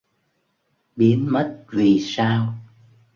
Biến mất vì sao